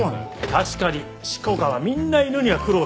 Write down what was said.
確かに執行官はみんな犬には苦労している。